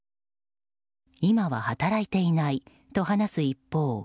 今は働いていないと話す一方